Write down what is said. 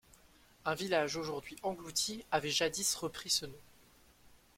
Un village aujourd'hui englouti avait jadis repris ce nom.